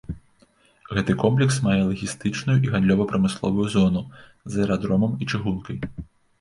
Гэты комплекс мае лагістычную і гандлёва-прамысловую зону з аэрадромам і чыгункай.